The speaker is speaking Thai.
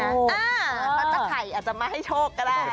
ถ้าไข่อาจจะมาให้โชคก็ได้